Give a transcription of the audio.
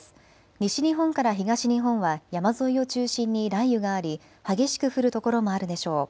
西日本から東日本は山沿いを中心に雷雨があり激しく降る所もあるでしょう。